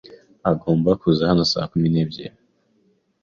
Agomba kuza hano saa kumi n'ebyiri.